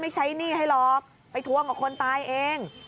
ใช้หนี้ให้หรอกไปทวงกับคนตายเอง